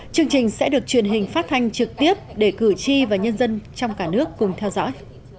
chương trình sẽ được truyền hình phát thanh trực tiếp để cử tri và nhân dân trong cả nước cùng theo dõi